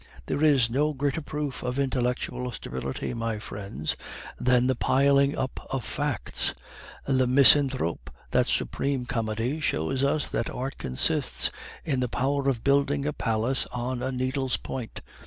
There is no greater proof of intellectual sterility, my friends, than the piling up of facts. Le Misanthrope, that supreme comedy, shows us that art consists in the power of building a palace on a needle's point.